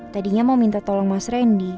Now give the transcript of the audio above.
tadinya mau minta tolong mas randy